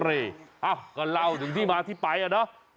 เล่าก็เล่าถึงที่มาที่ไปอะเนาะ